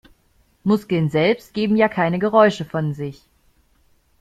Muskeln selbst geben ja keine Geräusche von sich.